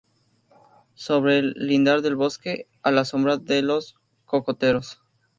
sobre el lindar del bosque, a la sombra de los cocoteros